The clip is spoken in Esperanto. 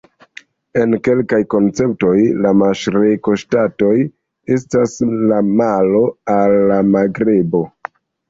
En kelkaj konceptoj la maŝreko-ŝtatoj estas la malo al la magrebo.